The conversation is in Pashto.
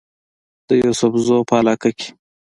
د يوسفزو پۀ علاقه کې